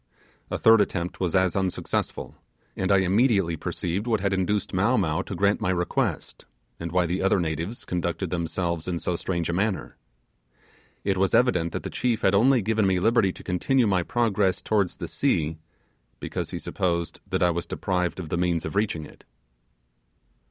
A third attempt was as unsuccessful, and I immediately perceived what had induced Mow Mow to grant my request, and why the other natives conducted themselves in so strange a manner. It was evident that the chief had only given me liberty to continue my progress towards the sea, because he supposed that I was deprived of the means of reaching it.